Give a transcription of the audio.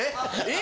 「え？」